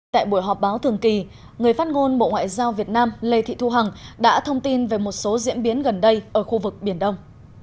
tại buổi họp báo thường kỳ người phát ngôn bộ ngoại giao việt nam lê thị thu hằng đã thông tin về một số diễn biến gần đây ở khu vực biển đông